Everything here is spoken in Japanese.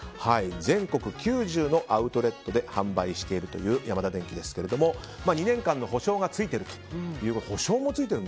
全国９０のアウトレットで販売しているというヤマダデンキですが２年間の保証がついてると。